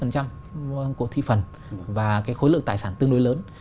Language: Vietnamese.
của thị phần và cái khối lượng tài sản tương đối lớn